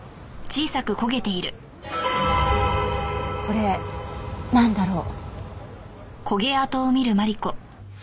これなんだろう？